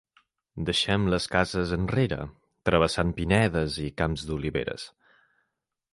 Deixem les cases enrere, travessant pinedes i camps d'oliveres.